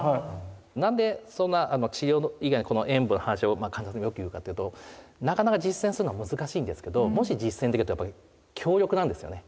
何でそんな治療以外にこの塩分の話を必ずよく言うかというとなかなか実践するのは難しいんですけどもし実践できるとやっぱり強力なんですよね